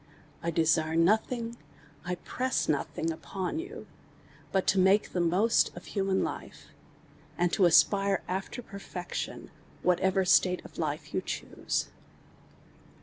I desire nothing, I press nothing upon you, but to make the most of human life, and to aspire after per fection in whatever state of life you chuse.